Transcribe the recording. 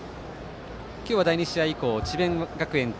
今日は第２試合以降智弁学園対